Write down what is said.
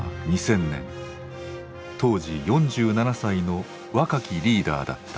当時４７歳の若きリーダーだった。